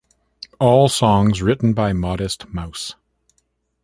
All songs written by Modest Mouse.